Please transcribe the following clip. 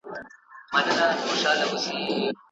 مور، پلار، وروڼه، خويندي او د کورنۍ غړي پريږدي.